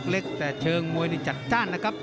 เล็กแต่เชิงมวยนี่จัดจ้านนะครับ